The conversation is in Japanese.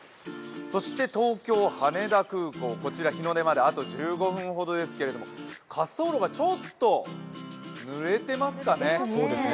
そして東京・羽田空港こちら日の出まであと１５分ほどですけど滑走路がちょっとぬれてますかね。